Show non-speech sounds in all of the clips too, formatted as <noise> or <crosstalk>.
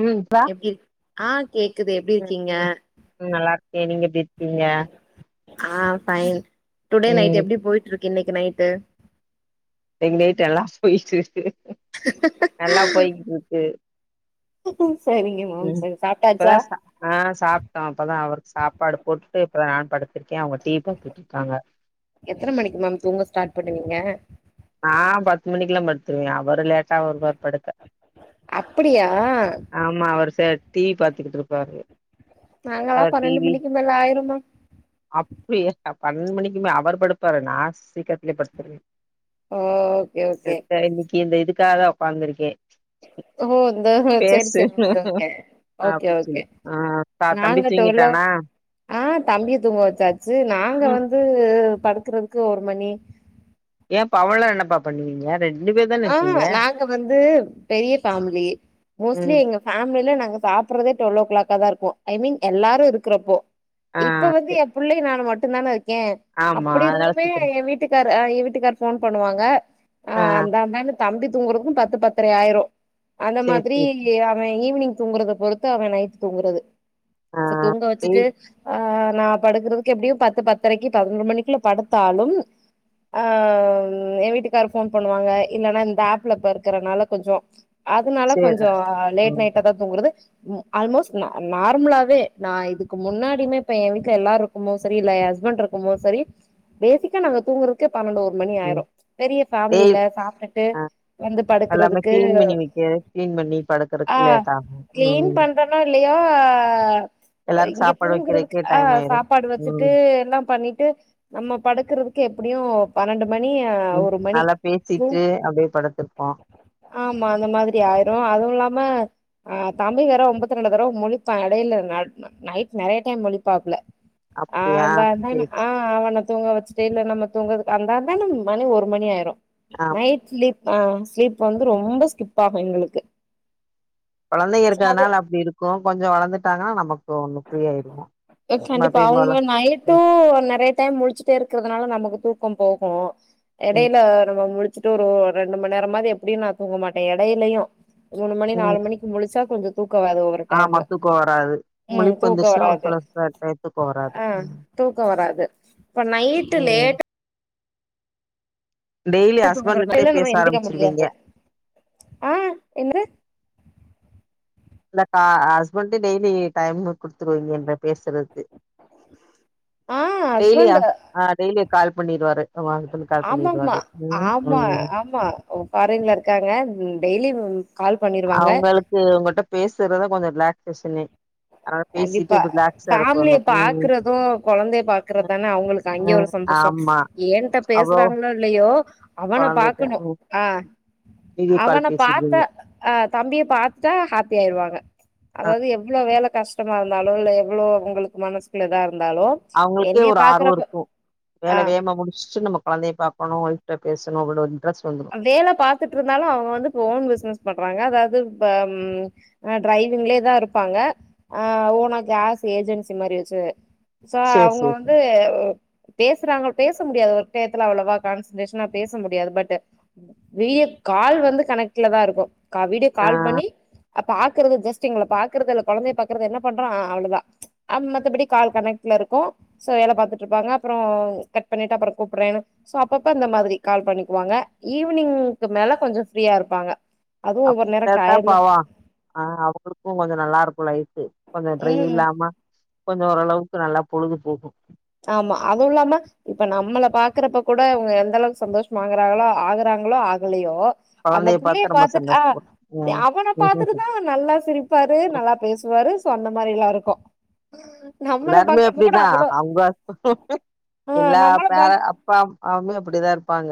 ம் ப்பா எப்டி இருக் ஆ கேக்குது எப்டி ம் இருக்கீங்க ம் ம் நல்லா இருக்கேன் நீங்க எப்டி இருக்கீங்க ஆ ஃபைன் டுடே நைட் ம் எப்டி போயிட்ருக்கு இன்னைக்கு நைட்டு இன்னைக்கு நைட்டு <unintelligible> ஹ நல்லா போய்கிட்டுருக்கு சரிங்க மேம் சரி சாப்ட்டாச்சா ஆஹ் சாப்ட்டோ இப்பதா அவருக்கு சாப்பாடு போட்டு இப்பதா நான் படுத்திருக்கே அவங்க டிவி பாத்துட்டுருக்காங்க எத்தன மணிக்கு மேம் தூங்க ஸ்டார்ட் பண்ணுவீங்க நா பத்து மணிக்கெல்லா படுத்துருவ அவரு லேட்டா வருவாருபடுக்க அப்படியா ஆமா அவர் செ டிவி பாத்துக்கிட்டுருப்பாரு நாங்களா பன்னெண்டு மணிக்கு மேல ஆயிரும்மா அப்டியா பன்னெட்டு மணிக்குமே அவரு படுப்பாரு நா சீக்கரத்துலயே படுத்துருவே ஓ ஓகே ஓகே இத்த இன்னிக்கு இந்த இதுக்காகா உக்காந்துருக்கே ஓ த்தோ செரி பேசு செரி ஒகேஒகே ஓகே அப்டின்னு ஓகே சொல்லு ஆ தம்பி நாங்க டுவல்வோ தூங்கிட்டானா ஆஹ் தம்பிய தூங்க வச்சாச்சு நாங்க ம் வந்து படுக்கறதுக்கு ஒரு மணி ஏன் பா அவள்நேரோ என்னப்பா பண்ணுவீங்க ரெண்ட் ஆஹ் நாங்க வந்து பெரிய பேமிலி மோஸ்ட்லி ம் எங்க ஃபேமிலல நாங்க சாப்புட்றதே டுவல் ஓ கிளாக்கா தா இருக்கு ஐ மீன் எல்லாரு இருக்குறப்போ ஆ இப்ப வந்து செரி என் புள்ளையு நானு மட்டுந்தானே இருக்கே ஆமா அப்டி அதனால இருந்துமே சீக்கிர வீட்டுக்காரு எ வீட்டுக்கார் போன் பண்ணுவாங்க ஆ அதனால தம்பி தூங்குறக்கும் பத்து பத்தரை ஆயிரும் அந்த சேரி மாதிரி சேரி அவன் ஈவினிங் தூங்குறத பொறுத்து அவன் நைட் தூங்குறது ஆ சோ தூங்க டெய் வச்சுட்டு ஆஹ் நா படுக்கறதுக்கு எப்டியும் பத்து பத்தரைக்கு பதினொரு மணிக்குல படுத்தாலும் ஆஹ் என் வீட்டுக்காரு போன் பண்ணுவாங்க இல்லன்னா இந்த ஆப்லப்ப இருக்கறனால கொஞ்சோ அதனால சேரி கொஞ்சம் லேட் ம் நைட்டா தா தூங்குறது ம் ஆல்மோஸ்ட் நா நார்மலாவே நா இதுக்கு முன்னாடியுமே இப்ப என் வீட்ல எல்லாரு க்குபோத் சரி இல்ல எ ஹஸ்பண்ட் இருக்குமோத் சரி பேசிக்கா நாங்க தூங்கறக்கே பன்னெண்டு ஒரு மணி ம் ஆயிரு பெரிய டெய் ஃபேமலில சாப்ட்டுட்டு ஆ வந்து எல்லாமே படுக்கறதுக்கு கிளீன் பண்ணி வைக்க கிளீன் பண்ணி படுக்கறக்கு ஆஹ் லேட் ஆகு க்ளீன் ம் பண் றனோ இல்லையோ எல்லாருக்கு இங்க சாப்பாடு தூங்றதுக்கு வைக்கிறக்கே டைம் ஆயிரு சாப்பாடு வச்சுட்டு ம் எல்லா பண்ணிட்டு நம்ம படுக்கறதுக்கு எப்டியு பன்னெண்டு மணி ம் ஒரு மணி நல்லா ம் பேசிட்டு அப்டியே படுத்துருப்போ ஆமா அந்த மாதிரி ஆயிரு அதுவும் இல்லாம ஆஹ் தம்பி வேற ஒம்பத் ரெண்டு தரவ முழிப்பா எடையல நட் நைட் நெறைய டைம் முழிப்பாப்புல அப்டியா ஆந்தா இந்தானு சேரி ஆஹ் ஆ அவன தூங்க வச்சிட்டு இல்ல நம்ம தூங்கறதுக் அந்தா இந்தானு நம் மணி ஒரு மணி ஆயிரும் ஆ நைட் ஸ்லீப் அ ஸ்லீப் வந்து ரொம்ப ஸ்கிப் ஆகு எங்களுக்கு கொழந்தைங்க சோ அது இருக்கறதுனால அப்டி இருக்கு கொஞ்சோ வளர்ந்துட்டாங்கனா நமக்கு ஒன்னு ஃப்ரீயாயிருவோ எஸ் சண்டிப்பா அவ்ங்க நயிட் டு நெறைய டைம் முளிச்சுட்டே இருக்கிறதுனால நமக்கு தூக்கம் போகும் ம் எடையில நம்ம முளி ச்சிடாடு ஒரு ரெண்டு மணி நேரமாது எப்டியு நா தூங்க மாட்டே எடையிலயு மூணு மணி ம் நாலு மணிக் முளிச்சா கொஞ்ச தூக்கம் வேற வரு ஆமா தூக்கோ வராது முழிப்பு வந்துச்சுனா ஒரு சில ச டைத்தூக்கோ வராது தூக்க வராது இப்ப நைட்டு ம் லேடா டெய்லி ஹஸ்பண்ட்கிட்டயே டெல்லு நம்ம பேச எந்திரிக்க ஆரம்பிச்சிருவீங்க முடியாது ஆஹ் என்னது இல்ல கா ஹஸ்பண்ட் டெய்லி டைம் குடுத்துருவீங்க என்ட பேசறது ஆ டெய்லி ஹஸ்பண்ட் ஆ டெய்லியு கால் பண்ணிருவாரு அவங்க ஹஸ்பண்ட் கால் ஆமாமா பண்ணிருக்காரு ம் ஆமா ம் ஆமா ஃபாரின்ல இருக்காங்க டெய்லி ம் அவங்களுக்கு உங்கள்ட்ட பேசுறத கொஞ்சோ ரிலாக்சேஷனே அதனால பேசிட்டு கண்டிப்பா இப்ப ரிலாக்ஸா இருப்பாங்க ஃபேமிலிய ம் பாக்குறது ஒரு கொழந்தைய ம் பாக்குறதான அவங்களுக்கு அங்க ஒரு ம். சந்தோஷ ஆமா ஏன்ட்ட அவ்ளோ பேசுறாங்களோ இல்லயோ அவன கொழந்தைட்ட பாக்கணு ம் ஆ வீடியோ கால் அவன பேசிருவீங்க பாத்தா ஆ தம்பிய பாத்துட்டா ஹாப்பி ஆயிருவாங்க ஆ அதாவது எவ்ளோ வேல கஷ் டமா இருந்தாலோ இல்ல எவ்ளோ இவங்களுக்கு மனசுக்குல இதா இருந்தாலோ அவங்களுக்கே ஒரு ஆர்வ இருக்கு ஆ வேல வேமா முடிச்ட்டு நம கொழந்தைய பாக்கணு அவன்ட்ட பேசணு அவ்ளோ இன்ட்ரெஸ்ட் வந்ரு வேல பாத்துட்டு இருந்தாலு அவங்க வந்து இப்ப ஓன் பிஸ்னஸ் பண்றாங்க அதாவது பம் ஆ டிரைவிங்லேதா இருப்பாங்க ஆ ஓனா கேஸ் ஏஜென்சி மாரி வச்சுது சோ சேர் அவங்க சேர் வந்து சேர் பேசுறாங்க பேச முடியாது ஒரு டயத்துல அவ்ளவா கான்சன்ட்ரேஷனா பேச முடியாது பட் வீடியோ கால் வந்து கனெக்ட்ல தா இருக்கு வீடியோ ஆ கால் பண்ணி அப்ப ஆக்குறது ஜஸ்ட் எங்கள பாக்குறது இல கொழந்தைய பாக்குறது என்ன பண்றா அவ்ளோதா அ மத்தபடி கால் கனெக்ட்லருக்கு சோ வேல பாத்துட்டு இருப்பாங்க அப்பற கட் பண்ணிட்டு அப்பற கூப்ட்ற சோ அப்பப்ப இந்த மாதிரி கால் பண்ணிக்குவாங்க ஈவினிங்க்கு மேல கொஞ்சோ ஃப்ரீயா இருப்பாங்க அதுவு ஒவ்வொரு அப்டித் நேரோ தா தா டயர்ட்ல பாவா ஆ அவங்களுக்கு கொஞ்சோ நல்லாருக்கு லைஃபு கொஞ்சோ ட்ரை ம் இல்லாம கொஞ்சோ ஓரளவுக்கு நல்லா பொழுது போகு ஆமா அதுவுல்லாம இப்ப நம்மள பாக்குறப்ப கூட இவங்க எந்த அளவுக்கு சந்தோஷமா ஆகுறாங்களோ ஆகுறாங்களோ ஆகலயோ அந்த கொழந்தைய புள்ளைய பாத்து ரொம்ப பாத்துட்டு ஆ சந்தோஷப்படு ம் அவன ம் பாத்துட்டுதா நல்லா சிரிப்பாரு நல்லா பேசுவாரு சோ அந்த மாரில்லா இருக்கு நம்மள எல்லாருமே பாக்குறப்ப கூட அப்டிதா அவ்ளோ அவ்ங்க ஆ எல்லா நம்மள பேர பாக் அப்பா அம்மாமே அப்டிதா இருப்பாங்க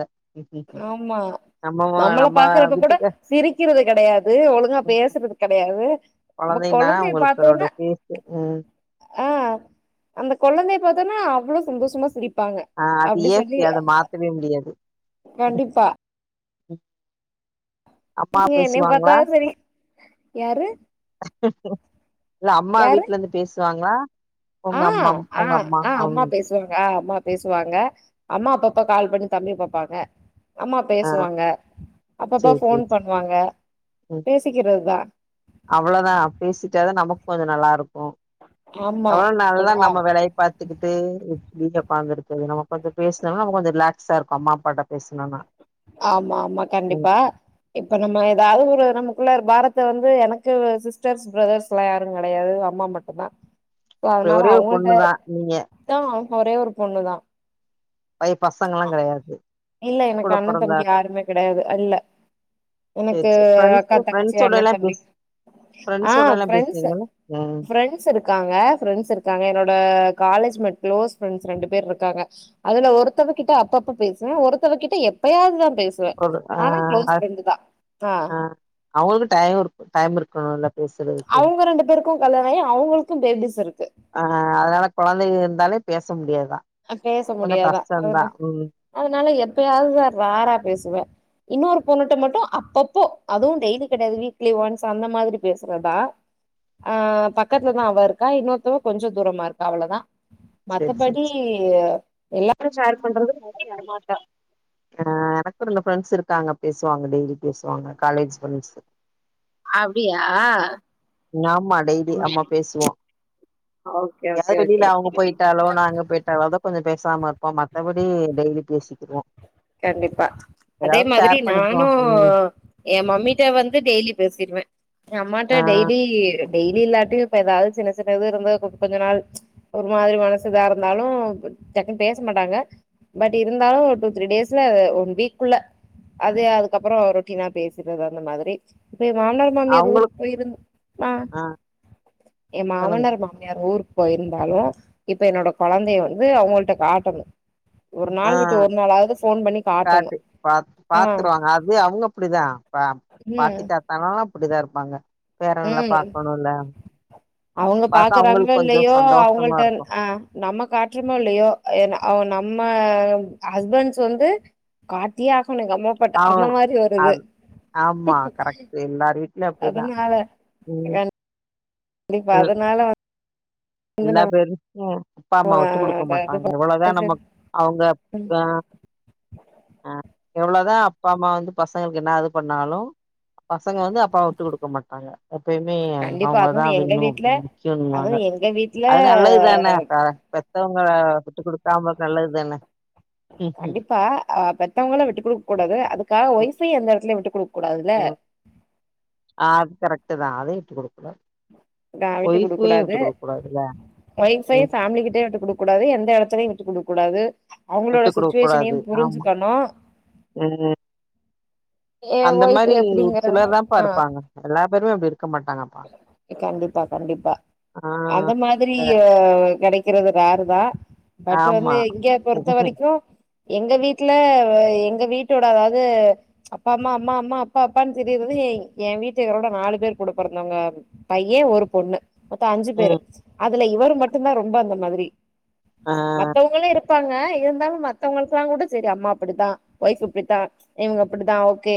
ஆமா நம்ம நம்மள நம்ம பாக்குறப்ப கூட வீட்டுக்கு சிரிக்கிறது கெடையாது ஒழுங்கா பேசுறது கெடையாது இப்ப கொழந்தைனா கொழந்தைய அவங்களுக்கு அதோட பாத்தோன பேஸு ம் ஆ அந்த கொழந்தைய பாத்தோனே அவ்ளோ சந்தோஷமா சிரிப் ஆ அது இயற்கை அத மாத்தவே முடியாது கண்டிப்பா அப்பா என்னைய பாத்தா பேசுவாங்ளா சரி யாரு ஒ அம்மா யாரு வீட்லருந்து பேசுவாங்ளா உங்க அம்மம் உங்க அம்மா அம் எங்க அம்மா பேசுவாங்க அம்மா அப்பப்ப கால் பண்ணி தம்பி பாப்பாங்க அம்மா ஆ பேசுவாங்க அப்பப்போ சேரி ஃபோன் சேரி பண்ணுவாங்க பேசிக்கிறது தா அவ்ளதா பேசிட்டதா நமக்கு கொஞ்சோ நல்லாருக்கு ஆமா அவ்ளோ நல்லா ஆ நம்ம வேலய பாத்துக்கிட்டு <unintelligible> உக்காந்துருக்கறது நம்ம கொஞ்சோ பேசுனோனா நம்ம கொஞ்சோ ரிலாக்ஸா இருக்கு அம்மா அப்பாட்ட பேசுனோனா ஆமாமா கண்டிப்பா இப்ப நம்ம ஏதாவது ஒரு ரூமுக்குள்ள ஒரு பாரத்த வந்து எனக்கு சிஸ்டர்ஸ் பிரதர்ஸ்ல்லா யாரு கெடையாது அம்மா மட்டு்தா சோ அப்டி அதனால ஒரே ஒரு அவங்கள்ட பொண்ணுதா நீங்க தா அவ்க ஒரே ஒரு பொண்ணு தா பை பசங்கல்லா கெடையாது இல்ல எனக்கு கூட அண்ண பொறந்த தம்பி யாருமே கெடையாது அல்ல சேரி எனக்கு சேரி ஃப்ரெண்ட்ஸ் அக்கா தங்கச்சி அண்ணே ஃப்ரெண்ட்ஸோடல்லா தம்பி பேச ஆ ஃப்ரெண்ட்ஸோடல்லா ஃப்ரெண்ட்ஸ்ஸு பேசுவீங்கல்ல ம் ஃப்ரெண் ஸ் இருக்காங்க ஃப்ரெண்ட்ஸ் இருக்காங்க என்னோட காலேஜ்மெட் க்ளோஸ் ஃப்ரெண்ட்ஸ் ரெண்டு பேர்ருக்காங்க அதுல ஒருத்தவ கிட்ட அப்பப்ப பேசுவே ஒருத்தவ கிட்ட எப்பயாதுதா பேசு ஒரு ஆ அ ஆ அவுங்களுக்கு டையோருக்கு டைம் இருக்கணுல பேசுறதுக்கு க்கு கல்யாணாயி அவுங்களுக்கு பேபிஸ் இருக்கு ஆ அதனால கொழந்தைங்க இருந்தாலே பேச முடியா தா அ பேச முடியாதா அதனா அதனால எப்பயாது தா ராறா பேசுவே இன்னொரு பொண்ணுட்ட மட்டு அப்பப்போ அதுவு டெய்லி கெடயாது வீக்லி ஒன்ஸ் அந்த மாதிரி பேசுறதா ஆ பக்கத்துலதா அவ இருக்கா இன்னொருத்தவ கொஞ்ச தூரமாருக்கா அவ்ளதா சேரி சேரி மத்தபடி சே எல்லாரு ஷேர் பண்றது ஒன் லி அம்மா தா ஆ எனக்கு ரெண்டு ஃப்ரெண்ட்ஸ் இருக்காங்க பேசுவாங்க டெய்லி பேசுவாங்க காலேஜ் ஃப்ரெண்ட்ஸ்ஸு அப்டியா ம் ஆமா டெய்லி ஆமா பேசுவோ ஓகே ஓகே எங்கயாது வெளில ஓகே அவுங்க போய்ட்டாலோ நாங்க போய்ட்டாலோ தா கொஞ்சோ பேசாமரு ப்போ மத்தபடி டெய்லி பேசிக்கிருவோ கண்டிப்பா அதே எதாவது மாதிரி ஷேர் பண்ணிக்குவோ நானு ம் ஏ மம்மிட்ட வந்து டெய்லி பேசிடுவ எ அம்மாட்ட ஆ டெய்லி டெய்லி இல்லாட்டியு இப்ப எதாவ்து சின்ன சின்ன இது இருந்துருக்கு கொஞ்ச நாள் ஒரு மாதிரி மனசு இதா இருந்தாலு டக்குனு பேச மாட்டாங்க பட் இருந்தாலு டூ த்ரீ டேஸ்ல ஒன் வீக்குள்ள அது அதுக்கப்றோ ரொட்டீனா பேசிறது அந்த மாதிரி இப்ப எ மாமனார் மாமியார் ஊருக்கு அவங்களுக்கு போயிருந்தோ மா ஆ எ சொல்லுங்க மாமனார் மா மியார் ஊருக்கு போய்ருந்தாலு இப்ப என்னோட கொழந்தைய வந்து அவுங்கள்ட்ட காட்டணு ஒர் ஆ நாள் விட்டு ஒரு நாளாவது ஃபோன் பண்ணி காட்டணு காட்டு பாத் பாத்துருவாங்க அது அப்டிதா பா ஏ எல்லா அப்டி தாருப்பாங்க ம் அவுங்க பாத்தா பாக்குறாங்களோ அவங்களுக்கு கொஞ்சோ இல்லயோ சந்தோஷமா அவுங்கள்ட்ட இருக்கு ஆ நம்ம காட்றமோ இல்லயோ என் அவ நம்ம ஹஸ்பண்ட்ஸ் வந்து காட்டியே ஆகணு எங்கம்மா ஆ அ ஆமா கரெக்ட்டு எல்லார் வீ ட்ல அப்டி தா அதனால ம் இப்ப ல் அதனால வ எல்லா பேரு நம்ம அப்பாம்மா விட்டு குடுக்க அத இது மாட்டாங்க எவ்ளதா நம்ம அவுங்க பண் ஆ ஆ எவ்ளோ தா அப்பாம்மா வந்து பசங்களுக்கு என்ன இது பண்ணாலு பசங்க வந்து அப்பாவ வுட்டு குடுக்க மாட்டாங்க எப்பயுமே கண்டிப்பா அவுங்கள தா அதுவு எங்க வெண்ணு வீட்ல முக்கியோன்னுவாங்க அதுவு எங்க வீட்ல அது நல்லது தானே பெத்தவங்க விட்டு குடுக்காமருக்க நல்லது தானே கண்டிப்பா ஆ பெத்தவங்கள விட்டு குடுக்க கூடாது அதுக்காக ஒய்ஃபை எந்த எடத்துல விட்டு குடுக்க கூடாதுல்ல ம். ஆ அது கரெக்ட்டு தா அதயு விட்டு குடுக்க கூடாது ஆ விட்டு குடுக்க ஒய்ஃபையு கூடாது விட்டு குடுக்க கூடாதுல்ல ஒய்ஃப் சைட் ம் ஃபேம்லிக்கிட்டயு விட்டு குடுக்க கூடாது எந்த எடத்துலையு விட்டுக் குடுக்க கூடாது அவுங்களோட விட்டு குடுக்க சுச்சுவேஷனயு கூடாது ஆமா புரிஞ்சுக்கணு ம் ம் ஏ அந்த ஒய்ஃப் மாரி ஒரு எப்டிங்கறது சிலர் தான்ப்பா ஆ இருப்பாங்க எல்லா பேருமே இப்டி இருக்க மாட்டாங்கப்பா கண்டிப்பா கண்டிப்பா ஆ அந்த மாதிரி அ எ கிடை இருக்கிறது ரார்ரு தான் பட் வந்து ஆமா இங்க பொறுத்த வரைக்கும் எங்க வீட்ல அ எங்க வீட்டோட அது அப்பா அம்மா அம்மா அம்மா அப்பா அப்பான்னு தெரியறது என் என் வீட்டுக்காரோட நாலு பேர் கூட பொறந்தவங்க பைய ஒரு பொண்ணு மொத்த அஞ்சு பேரு ம் அதுல இவர்ரு மட்டும்தான் ரொம்ப அந்த மாதிரி ஆ மத்தவங்களும் இருக் காங்க இருந்தாலும் மத்தவங்களுக்குல்லாம் கூட சரி அம்மா அப்டித்தான் ஒய்ஃப் இப்டித்தான் இவுங்க இப்டிதான் ஓகே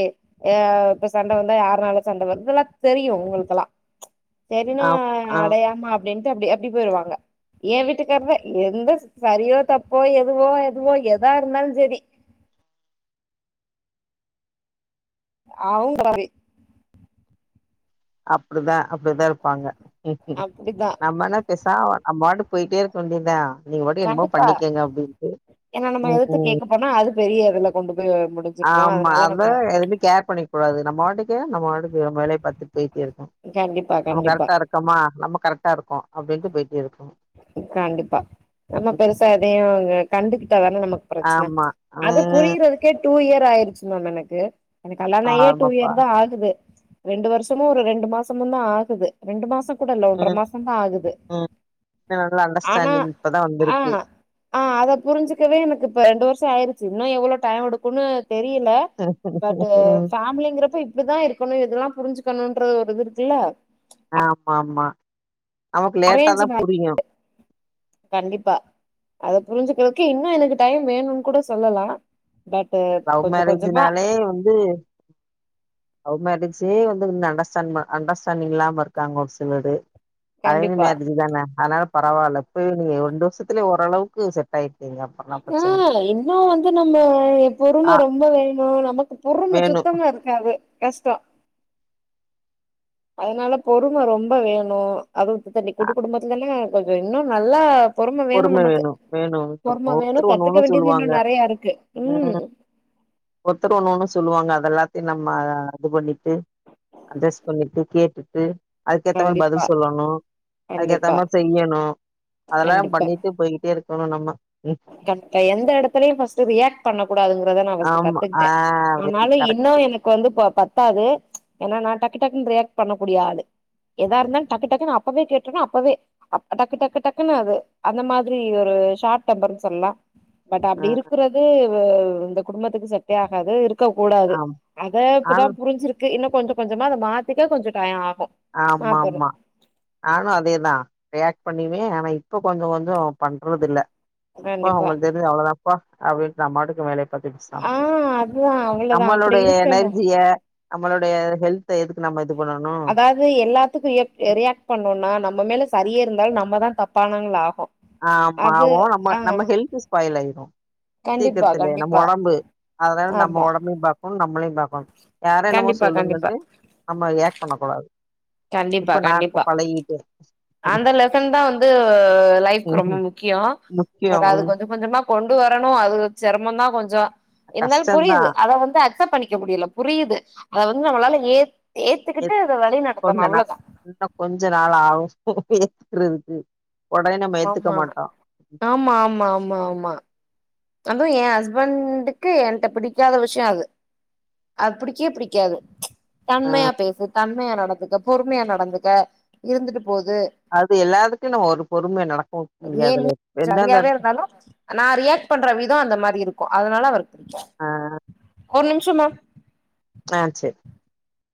எ இப்ப சண்ட வந்தா யாருனால சண்ட வருது இதல்லா தெரியும் இவுங்களுக்கெல்லாம் சரிமா ஆம் ஆ அடயேம்மா அப்டின்ட்டு அப்டே அப்டி போய்ருவாங்க என் வீட்டுக்கார்தா எந்த சரியோ தப்போ எதுவோ எதுவோ எதா இருந்தாலும் சேரி அவுங்கவே அப்டிதான் அப்டிதான் இருப்பாங்க உகும் அப்டித்தா நம்மனா பேசா அம் மாட்டு போய்ட்டே இருக்க வேண்டிதா நீங்க பாட்டுக்கு என்னமோ கண்டிப்பா பண்ணிக்கங்க அப்டின்ட்டு உ ஹும் பண்ணா அது பெரிய இதுல கொண்டு போய் முடிம் ஆமா அத எதுமே கேர் பண்ணிக் கூடாது நம்ம வாட்டுக்கு நம்ம வாட்டுக்கு வேலைய பார்த்துட்டு போய்ட்டே இருக்கும் கண்டிப்பா நம்ம கண்டிப்பா கரெக்டா இருக்கோமா நம்ம கரெக்டா இருக்கோம் அப்டின்ட்டு போய்ட்டே இருக்கனும் கண்டிப்பா நம்ம பெருசா எதையும் எ கண்டுகிட்டாதான நமக்கு பிரச்சன ஆமா அது ம் புரிறது க்கு டூ இயர் ஆய்ருச்சு மேம் எனக்கு எனக்கு கல்யாணாயே டூ ஆமாப்பா இயர் தான் ஆகுது ரெண்டு வருஷமும் ஒரு ரெண்டு மாசமுதான் ஆகுது ரெண்டு மாசோ கூட இல்ல ஒன்ற மாசோ தான் ஆகுது அ நல்ல ஆனா அண்டர்ஸ்டாண்டிங் இப்பதான் ஆ வந்துருக்கு ஆ அத புரிஞ்சுக்கவே எனக்கு இப்ப ரெண்டு வருஷம் ஆய்ருச்சு இன்னும் எவ்ளோ டைம் எடுக்கும்ன்னு தெரியல பட் அ ம் ஃபேமிலிங்கிறப்ப இப்டிதான் இருக்கணும் இதெல்லாம் புரிஞ்சுக்கணும்ன்ற ஒரு இது இருக்குல்ல ஆமாம்மா நமக்கு அரேஞ்ச் லேட்டாதான் புரியுமே கண்டிப்பா அத புரிஞ்சுக்கிறதுக்கு இன்னும் எனக்கு டைம் வேணும் கூட சொல்லலாம் லவ் மேரேஜ்னாலே வந்து லவ் மேரேஜே வந்து உன்னு அண்டர்ஸ்டாண்ட் அண்டர்ஸ்டாண்டிங் இல்லாம இருக்காங்க ஒரு சிலரு அரஞ்சு கண்டிப்பா மேரேஜ் தான அதனால பரவாயில்ல போய் நீங்க ரெண்டு வருஷத்துலயே ஓரளவுக்கு செட் டில் ஆய்குங்க அப்ப யா இன்னும் வந்து நம்ம ஆ பொறும ரொம்ப வேணும் நமக்கு பொறும வேணு சுத்தமா இருக்காது கஷ்டோ அதனால பொறும ரொம்ப வேணு அது உட்டுட்டு அப்டி கூட்டு குடும்பத்துலல்லா கொஞ்சம் இன்னும் நல்லா பொறும வேணும் நமக்கு வேணு வேணு வேணு பொறும வேணும் ஒவ்வொருத்தரு ஒண்ணு கத்துக்க ஒண்ணு வேண்டியது சொல்லுவாங்க இன்னும் நறையா இருக்கு ம் ஒத்தர் ஒன்னு ஒன்னு சொல்லுவாங்க அத எல்லாத்தையும் நம்ம அது பண்ணிட்டு அஜ்ஜஸ் பண்ணிட்டு கேட்டுட்டு அதுக்கேத்த பதில் கண்டிப்பா சொல்லணும் அதுக்கேத்த கண்டிப்பா மார் செய்யணும் அதல்லாம் கண்டிப்பா பண்ணிட்டு போய்கிட்டே இருக்கணும் நம்ம ம் இப்ப எந்த இடத்துலயையும் ஃபஸ்ட் ரியாக்ட் பண்ணக் கூடாதுங்கறத நான் ஃபஸ்ட் ஆமா ஆ கத்துக்கிட்ட வெரி ஆனாலும் கரெக்ட் இன்னும் எனக் கு வந்து ப பத்தாது ஏன்னா நான் டக்கு டக்குன்னு ரியாக்ட் பண்ண கூடிய ஆளு எதா இருந்தாலும் டக்கு டக்குன்னு அப்பவே கேட்ருவ அப்பவே அப் டக்கு டக்கு டக்குனு அது அந்த மாதிரி ஒரு ஷாட் டெம்பருன் சொல்லா பட் ஆ அப்டி இருக்குறது இந்த குடும்பத்துக்கு செட்டே ஆகாது க்க கூடாது ஆம் அத இப்பதா ஆன் புரிஞ்சிருக்கு இன்னு கொஞ்ச கொஞ்சமா அத மாத்திக்க கொஞ்சோ டயோ ஆகு மாத்தணு ஆமாமா நானு அதேதா ரியாக்ட் பண்ணிவே ஆனா இப்ப கொஞ்ச கொஞ்சோ பண்றதுல்ல போ கண்டிப்பா உங்ளுக்கு தெரிஞ்சது அவ்ளோதா போ அப்டின்ட்டு நாபாட்டுக்கு வேலைய ஆ <unintelligible> அதுதா அவ்ளதா அப்டி நம்மளுடைய இருக்கணு எனர்ஜிய நம்மளுடய ஹெல்த்த எதுக்கு நம்ம இது பண்ணனு அது எல்லாத்துக்கு ரியக்ட் ரியக்ட் பண்ணோனா நம்ம மேல சரியே இருந்தாலு நம்ம தா தப்பானவங்களா ஆகு ஆ அது ஆமாவு நம்ம ஆ நம்ம ஹெல்த்து ஸ்பாய்ல் ஆய்ரு கண்டிப்பா சீக்கிரத்லே நம்ப கண்டிப்பா ஒடம்பு அதனால நம்ப ஆமா ஒடம்பயு பாக் குன் நம்மளையு பாக்கணு யாரோ என்னமோ கண்டிப்பா கண்டிப்பா சொல்லுங்கன்ட்டு நம்ம ரியக்ட் பண்ணக் கூடாது கண்டிப்பா இப்ப நா கண்டிப்பா இப்ப பழகிட்டு அந்த லெசன் தா வந்து லைஃப்க்கு ரொம்ப ம்ஹ்ம். முக்கியோ பட் முக்கியம். அது ம். கொஞ்ச கொஞ்சமா கொண்டு வரணு அது செரமோ தா கொஞ்சோ இருந்தாலு புரியிது கஷ்டந்தான். அத வந்து அக்சப் பண்ணிக்க முடில புரியிது அத வந்து நம்மளால ஏத் ஏத்துக்கிட்டு எத் அத வழி கொஞ்ச நடத்தணு நா அவ்ளோதா இன்னும் கொஞ்ச நாள் ஆவு ஏத்துக்றதுக்கு உடனே நம்ம ஏத்துக்க ஆமா மாட்டோ ஆமா ஆமா ஆமா ஆமா அதுவு எ ஹஸ்பண்டுக்கு ஏன்ட்ட பிடிக்காத விஷ்யோ அது அத் புடிக்யே புடிக்காது அ தன்மையா பேசு தன்மையா நடந்துக்க பொறுமையா நடந்துக்க இருந்துட்டு போது அது எல்லாதுக்கு நம்ம ஒரு பொறுமையா நடக்கவு முடியாதுல எந்தந்த எடத்து அலோ நா ரியக்ட் பண்ற விதோ அந்த மாரி இருக்கு அதனால அவர் ஆ ஒரு நிம்ஷோ மம் ஆ செர்